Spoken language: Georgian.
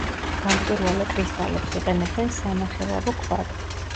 გამჭვირვალე კრისტალებს იყენებენ სანახელავო ქვად.